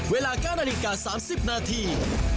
เวลา๙นาฬิกา๓๐นาที